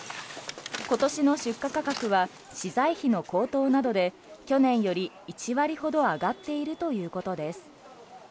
今年の出荷価格は資材費の高騰などで去年より１割ほど上がっているということです。